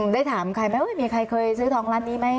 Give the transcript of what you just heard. ได้ถามใครไหมมีใครเคยซื้อทองร้านนี้ไหม